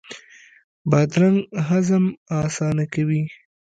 بادرنګ هضم اسانه کوي.